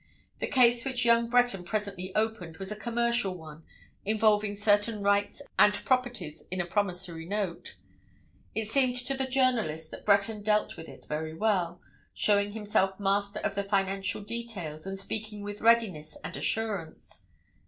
The case which young Breton presently opened was a commercial one, involving certain rights and properties in a promissory note; it seemed to the journalist that Breton dealt with it very well, showing himself master of the financial details, and speaking with readiness and assurance.